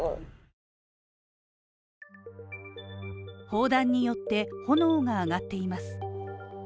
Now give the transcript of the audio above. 砲弾によって、炎が上がっています。